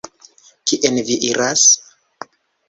Kien vi iras?